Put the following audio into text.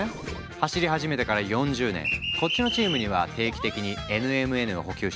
走り始めてから４０年こっちのチームには定期的にＮＭＮを補給していくよ。